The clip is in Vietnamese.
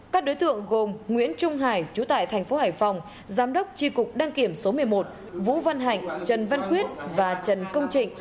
các đối tượng gồm nguyễn trung hải chú tại thành phố hải phòng giám đốc tri cục đăng kiểm số một mươi một vũ văn hạnh trần văn quyết và trần công trịnh